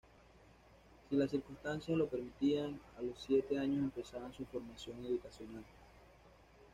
Si las circunstancias lo permitían, a los siete años empezaban su formación educacional.